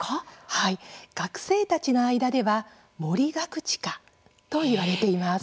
はい、学生たちの間では盛りガクチカといわれています。